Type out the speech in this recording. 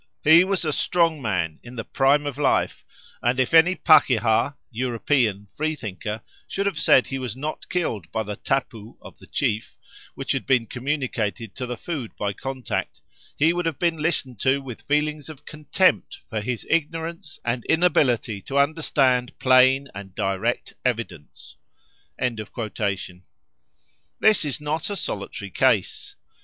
He was a strong man, in the prime of life, and if any pakeha [European] freethinker should have said he was not killed by the tapu of the chief, which had been communicated to the food by contact, he would have been listened to with feelings of contempt for his ignorance and inability to understand plain and direct evidence." This is not a solitary case.